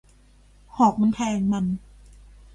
หอกมันแทงมัน